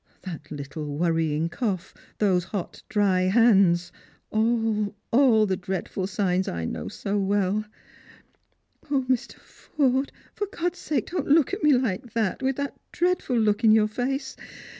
That little worrying cough, those hot dry hands — all, all the dreadful signs I know so well. O, Mr. Forde, for God's sake don't look at me like that, with chat ireadful look in your face